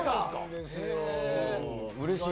うれしい。